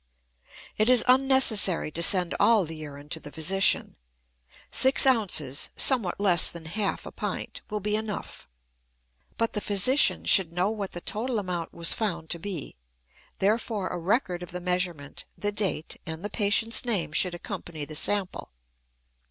It is unnecessary to send all the urine to the physician; six ounces, somewhat less than half a pint, will be enough. But the physician should know what the total amount was found to be; therefore, a record of the measurement, the date, and the patient's name should accompany the sample.